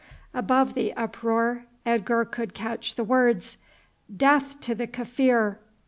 Above the uproar Edgar could catch the words, "Death to the Kaffir!"